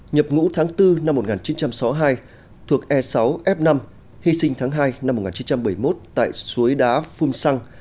nhập ngũ tháng bốn năm một nghìn chín trăm sáu mươi hai thuộc e sáu f năm hy sinh tháng hai năm một nghìn chín trăm bảy mươi một tại suối đá phung sang